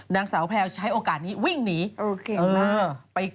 นางสาวแพลวใช้โอกาสนี้วิ่งหนีโอเค